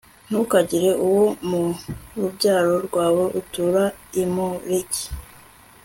ntukagire uwo mu rubyaro rwawe utura i moleki